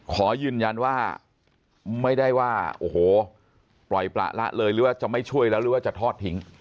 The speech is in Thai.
ขอยืนยันว่าไม่ได้ว่าโอ้โหปล่อยประละเลยหรือว่าจะไม่ช่วยแล้วหรือว่าจะทอดทิ้ง